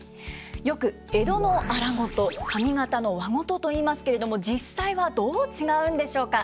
よく江戸の荒事上方の和事といいますけれども実際はどう違うんでしょうか？